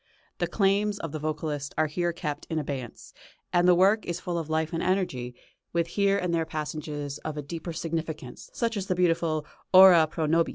The claims of the vocalist are here kept in abeyance, and the work is full of life and energy, with here and there passages of a deeper significance, such as the beautiful "Ora pro nobis."